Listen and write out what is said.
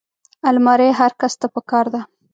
الماري هر کس ته پکار ده